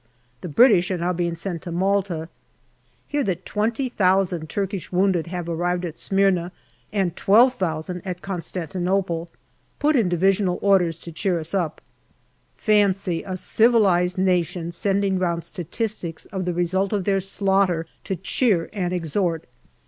The British are now being sent to Malta. Hear that 20,000 Turkish wounded have arrived at Smyrna, and 12,000 at Constantinople. Put in divisional orders to cheer us up. Fancy a civilized nation sending round statistics of the result of their slaughter to cheer and ex hort